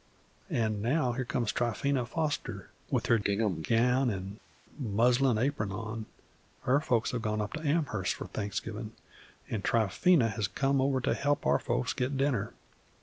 An' now here comes Tryphena Foster, with her gingham gown an' muslin apron on; her folks have gone up to Amherst for Thanksgivin', an' Tryphena has come over to help our folks get dinner.